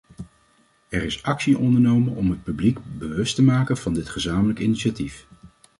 Er is actie ondernomen om het publiek bewust te maken van dit gezamenlijk initiatief.